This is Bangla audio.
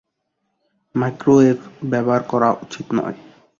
মাইক্রোওয়েব ব্যবহার করা উচিত নয়।